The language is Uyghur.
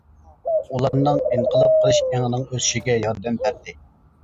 ئۇلارنىڭ ئىنقىلاب قىلىش ئېڭىنىڭ ئۆسۈشىگە ياردەم بەردى.